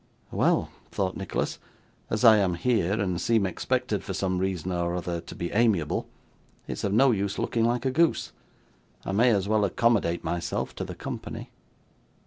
'Well,' thought Nicholas, 'as I am here, and seem expected, for some reason or other, to be amiable, it's of no use looking like a goose. I may as well accommodate myself to the company.